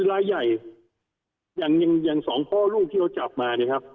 รายใหญ่อย่างอย่างอย่างสองพ่อลูกที่เราจับมานะครับ